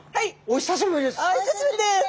お久しぶりです。